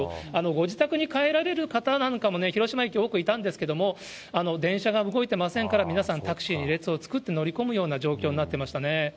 ご自宅に帰られる方なんかも、広島駅、多くいたんですけれども、電車が動いてませんから、皆さん、タクシーに列を作って、乗り込むような状況になってましたね。